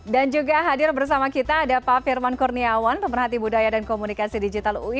dan juga hadir bersama kita ada pak firman kurniawan pemerhati budaya dan komunikasi digital ui